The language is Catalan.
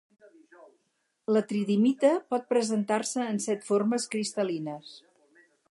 La tridimita pot presentar-se en set formes cristallines.